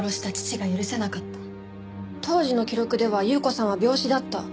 当時の記録では優子さんは病死だった。